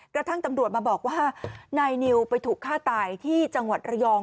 กระทั่งตำรวจมาบอกว่านายนิวไปถูกฆ่าตายที่จังหวัดระยอง